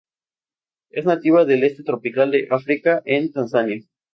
Es nativa del este tropical de África en Tanzania.